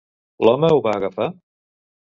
L'home ho va agafar?